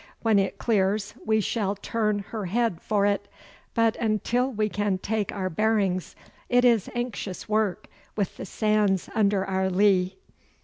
When it clears we shall turn her head for it, but until we can take our bearings it is anxious work wi' the sands under our lee.